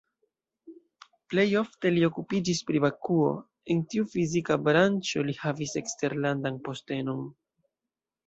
Plej ofte li okupiĝis pri vakuo, en tiu fizika branĉo li havis eksterlandan postenon.